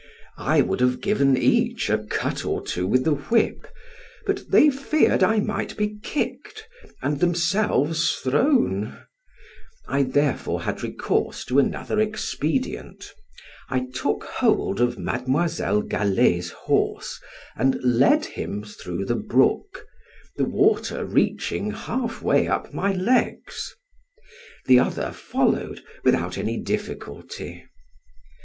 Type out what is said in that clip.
I would have given each a cut or two with the whip, but they feared I might be kicked, and themselves thrown; I therefore had recourse to another expedient, I took hold of Mademoiselle Galley's horse and led him through the brook, the water reaching half way up my legs. The other followed without any difficulty.